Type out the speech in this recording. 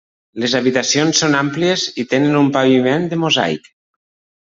Les habitacions són àmplies i tenen el paviment de mosaic.